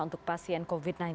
untuk pasien covid sembilan belas